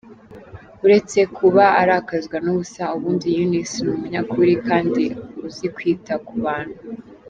Uretse kuba arakazwa n’ubusa, ubundi Eunice ni umunyakuri kandi uzi kwita ku bantu.